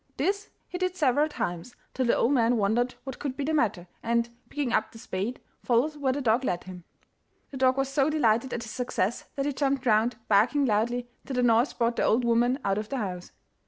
This he did several times, till the old man wondered what could be the matter, and, picking up the spade, followed where the dog led him. The dog was so delighted at his success that he jumped round, barking loudly, till the noise brought the old woman out of the house.